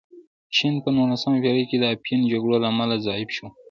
چین په نولسمه پېړۍ کې د افیون جګړو له امله ضعیف شو.